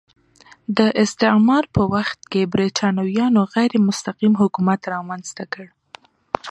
د استعمار په وخت کې برېټانویانو غیر مستقیم حکومت رامنځته کړ.